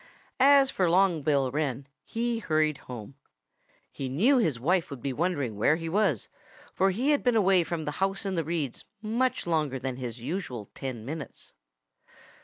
As for Long Bill Wren, he hurried home. He knew his wife would be wondering where he was, for he had been away from the house in the reeds much longer than his usual ten minutes.